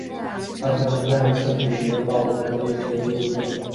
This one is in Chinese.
她曾经在圣彼得堡的表演绝无仅有。